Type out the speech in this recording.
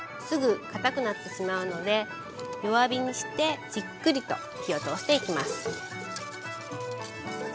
すぐかたくなってしまうので弱火にしてじっくりと火を通していきます。